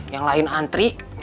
yang lain antri